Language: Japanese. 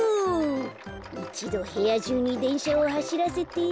いちどへやじゅうにでんしゃをはしらせて。